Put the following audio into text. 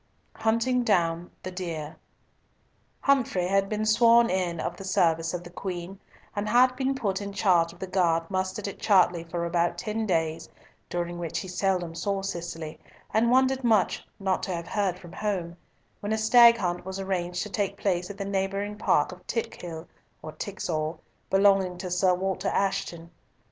HUNTING DOWN THE DEER Humfrey had been sworn in of the service of the Queen, and had been put in charge of the guard mustered at Chartley for about ten days, during which he seldom saw Cicely, and wondered much not to have heard from home: when a stag hunt was arranged to take place at the neighbouring park of Tickhill or Tixall, belonging to Sir Walter Ashton.